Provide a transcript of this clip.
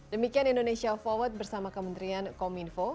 demikian indonesia forward bersama kementerian kominfo